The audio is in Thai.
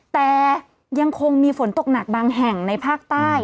แต่ยังคงมีฝนตกหนักบางแห่งในภาคใต้